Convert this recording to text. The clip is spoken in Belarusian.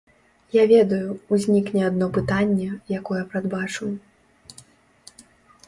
Я ведаю, узнікне адно пытанне, якое прадбачу.